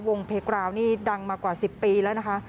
เพกราวนี่ดังมากว่า๑๐ปีแล้วนะคะ